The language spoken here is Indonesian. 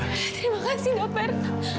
terima kasih dokter